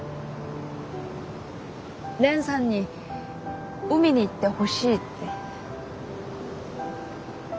蓮さんに海に行ってほしいって。